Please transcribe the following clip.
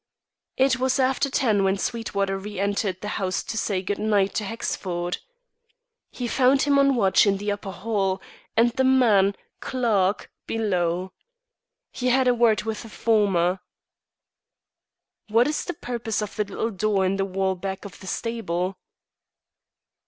It was after ten when Sweetwater re entered the house to say good night to Hexford. He found him on watch in the upper hall, and the man, Clarke, below. He had a word with the former: "What is the purpose of the little door in the wall back of the stable?"